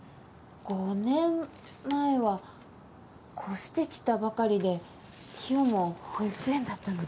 ５年前は越して来たばかりでキヨも保育園だったので。